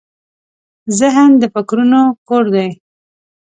ذهن د فکرونو کور دی.